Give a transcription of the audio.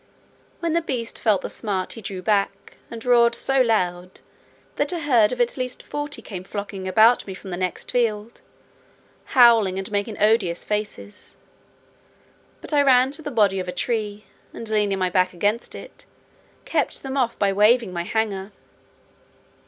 When the beast felt the smart, he drew back, and roared so loud, that a herd of at least forty came flocking about me from the next field, howling and making odious faces; but I ran to the body of a tree, and leaning my back against it, kept them off by waving my hanger.